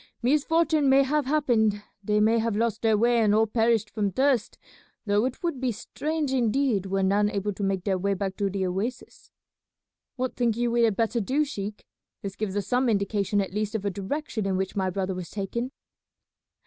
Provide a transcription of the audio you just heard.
Misfortune may have happened; they may have lost their way and all perished from thirst, though it would be strange indeed were none able to make their way back to the oasis." "What think you we had better do, sheik? This gives us some indication at least of a direction in which my brother was taken."